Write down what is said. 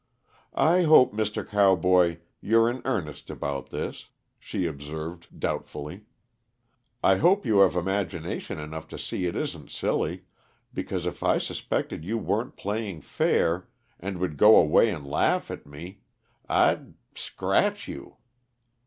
"I hope, Mr. Cowboy, you're in earnest about this," she observed doubtfully. "I hope you have imagination enough to see it isn't silly, because if I suspected you weren't playing fair, and would go away and laugh at me, I'd scratch you."